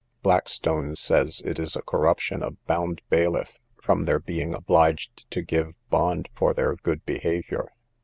Blackstone says it is a corruption of bound bailiff, from their being obliged to give bond for their good behaviour.